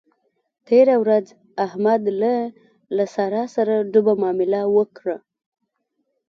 تېره ورځ احمد له له سارا سره ډوبه مامله وکړه.